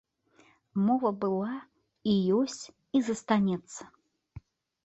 Мова была і ёсць, і застанецца.